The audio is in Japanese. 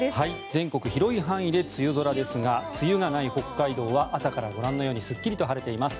全国広い範囲で梅雨空ですが梅雨がない北海道は朝からご覧のようにすっきりと晴れています。